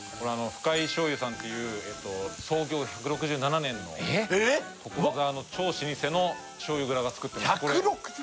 深井醤油さんっていう創業１６７年のえっ所沢の超老舗の醤油蔵が作ってます１６７？